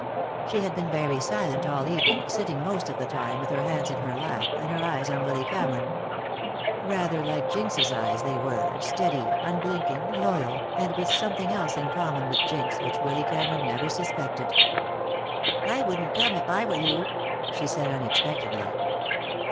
She had been very silent all evening, sitting most of the time with her hands in her lap, and her eyes on Willy Cameron. Rather like Jinx's eyes they were, steady, unblinking, loyal, and with something else in common with Jinx which Willy Cameron never suspected. "I wouldn't come, if I were you," she said, unexpectedly.